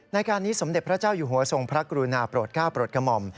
ในการนี้สมเด็จพระเจ้าอยู่หัวทรงพระกรุณาโปรดก้าวโปรดกระหม่อม